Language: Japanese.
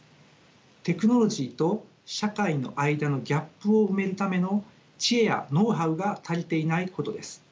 テクノロジーと社会の間のギャップを埋めるための知恵やノウハウが足りていないことです。